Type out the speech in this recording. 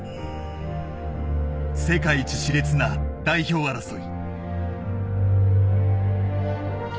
世界一熾烈な代表争い。